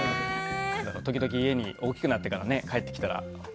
時々家に大きくなってからね帰ってきたら安心するから。